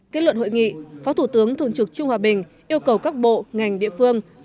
kết luận hội nghị phó thủ tướng thường trực trung hòa bình yêu cầu các bộ ngành địa phương